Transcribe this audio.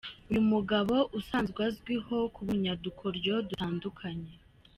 Uyu mugabo usanzwe azwiho kuba umunyadukoryo dutandukanye.